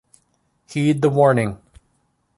Heed the warning.